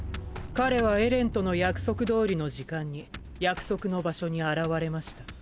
彼はエレンとの約束どおりの時間に約束の場所に現れました。